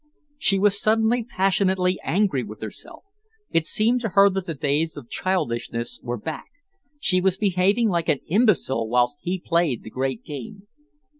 She was suddenly passionately angry with herself. It seemed to her that the days of childishness were back. She was behaving like an imbecile whilst he played the great game.